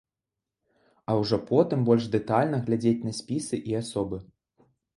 А ўжо потым больш дэтальна глядзець на спісы і асобы.